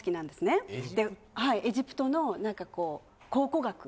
はいエジプトの何かこう考古学？